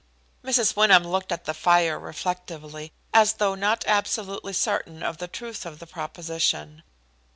Mrs. Wyndham looked at the fire reflectively, as though not absolutely certain of the truth of the proposition.